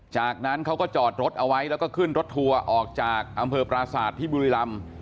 จากนั้นเขาก็จอดรถเอาไว้แล้วก็ขึ้นรถทัวร์ออกจากอำเภอปราศาสตร์ที่บุรีรำ